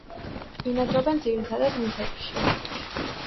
ბინადრობენ ძირითადად მთებში.